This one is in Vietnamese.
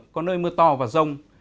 có nơi mưa to và rông